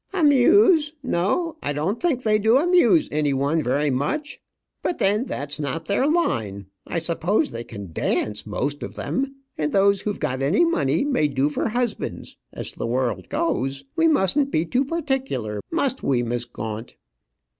"Amuse! No, I don't think they do amuse any one very much. But then that's not their line. I suppose they can dance, most of them; and those who've got any money may do for husbands as the world goes. We musn't be too particular; must we, Miss Gaunt?"